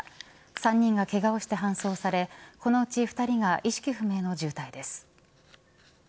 ３人がけがをして搬送されこのうち２人が意識不明の重体です。